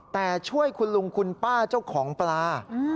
แต่ช่วยคุณลุงคุณป้าเจ้าของปลา